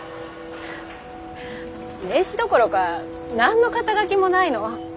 名刺どころか何の肩書もないの。